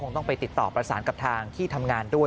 ต้องไปติดต่อประสานกับทางที่ทำงานด้วย